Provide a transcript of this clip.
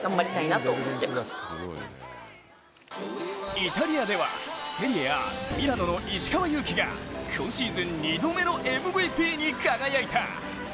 イタリアでは、セリエＡ、ミラノの石川祐希が今シーズン２度目のＭＶＰに輝いた。